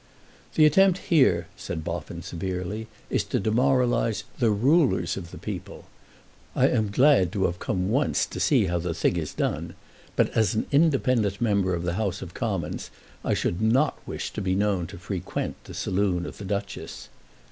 "The attempt here," said Boffin severely, "is to demoralise the rulers of the people. I am glad to have come once to see how the thing is done; but as an independent member of the House of Commons I should not wish to be known to frequent the saloon of the Duchess."